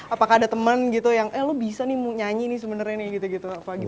apakah ada temen gitu yang eh lo bisa nih nyanyi nih sebenernya nih gitu gitu apa gitu